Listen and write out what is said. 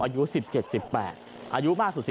อายุ๑๗๑๘อายุมากสุด๑